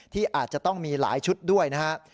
ที่อาจจะต้องมีหลายชุดด้วยนะครับ